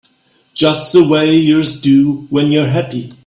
Just the way yours do when you're happy.